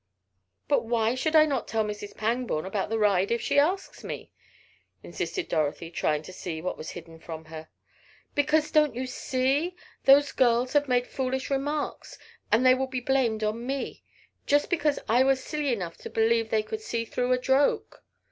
"But why should I not tell Mrs. Pangborn about the ride if she asks me?" insisted Dorothy, trying to see what was hidden from her. "Because, don't you see, those girls may have made foolish remarks, and they will be blamed on me. Just because I was silly enough to believe they could see through a joke.